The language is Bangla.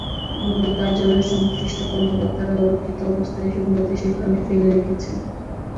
ভূমি কার্যালয়ের সংশ্লিষ্ট কর্মকর্তারাই অরক্ষিত অবস্থায় এসব নথি সেখানে ফেলে রেখেছেন।